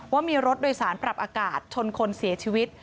ว่ามีรถโดยสารปรับอากาศชนคนเสียชีวิต